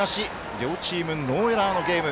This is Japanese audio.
両チーム、ノーエラーのチーム。